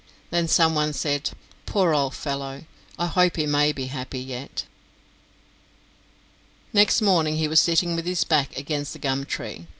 Then someone said: "Poor old fellow; I hope he may be happy yet." Next morning he was sitting with his back against the gum tree.